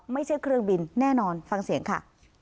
ไม่ใช่เครื่องบินแน่นอนฟังเสียงค่ะ